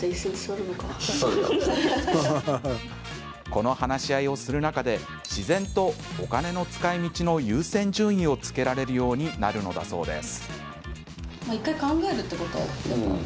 この話し合いをする中で自然とお金の使いみちの優先順位をつけられるようになるのだそうです。